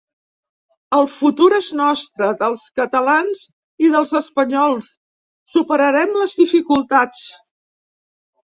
El futur és nostre, dels catalans i dels espanyols, superarem les dificultats.